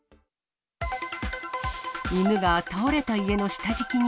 犬が倒れた家の下敷きに。